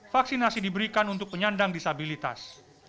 vaksinasi diberikan untuk penyandang disabilitas